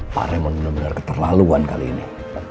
pak remon bener bener keterlaluan kali ini